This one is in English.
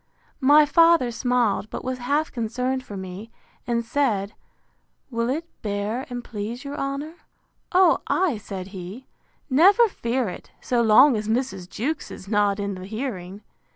My father smiled, but was half concerned for me; and said, Will it bear, and please your honour?—O ay, said he, never fear it; so long as Mrs. Jewkes is not in the hearing.